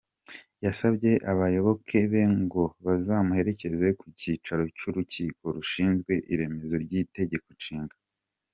Yasabye abayoboke be ngo bazamuherekeze ku cyicaro cy’Urukiko rushinzwe iremezo ry’itegeko-nshinga.